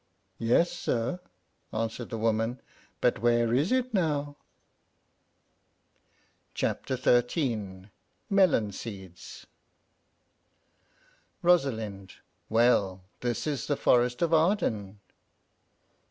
"Yes, sir," answered the woman; "but where is it now?" CHAPTER XIII. MELON SEEDS. Rosalind. Well, this is the forest of Arden.